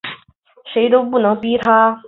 谁都不能逼他